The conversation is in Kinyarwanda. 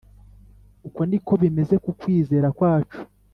Uko ni ko bimeze ku kwizera kwacu